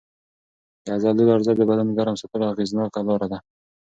د عضلو لړزه د بدن ګرم ساتلو اغېزناکه لار ده.